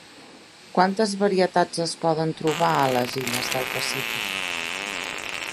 Quantes varietats es poden trobar a les illes del Pacífic?